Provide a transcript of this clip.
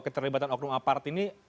keterlibatan oknum aparat ini